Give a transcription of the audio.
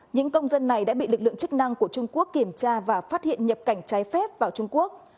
những công dân này đã bị lực lượng chức năng của trung quốc kiểm tra và phát hiện nhập cảnh trái phép vào trung quốc